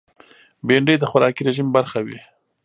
بېنډۍ د خوراکي رژیم برخه وي